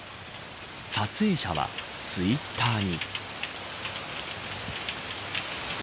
撮影者はツイッターに。